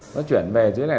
nó chuyển về dưới này